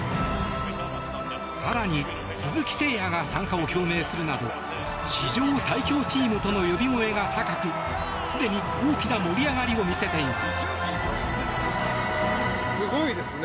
更に、鈴木誠也が参加を表明するなど史上最強チームとの呼び声が高くすでに大きな盛り上がりを見せています。